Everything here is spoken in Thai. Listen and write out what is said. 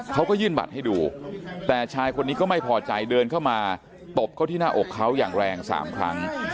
เขาก็ยื่นบัตรให้ดูแต่ชายคนนี้ก็ไม่พอใจเดินเข้ามาตบเขาที่หน้าอกเขาอย่างแรง๓ครั้ง